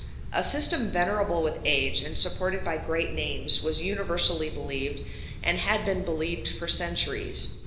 A system venerable with age, and supported by great names, was universally believed, and had been believed for centuries.